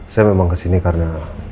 saya memang ke sini karena